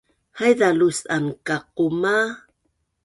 haiza lus’an kaquma